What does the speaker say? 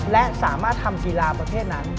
และสามารถทำกีฬาประเภทนั้น